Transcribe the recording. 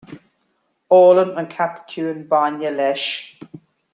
Ólann an cat ciúin bainne leis